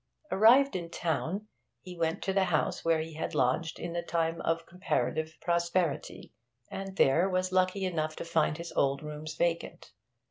Arrived in town, he went to the house where he had lodged in the time of comparative prosperity, and there was lucky enough to find his old rooms vacant.